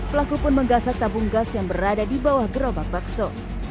pelaku pun menggasak tabung gas yang berada di bawah gerobak bakso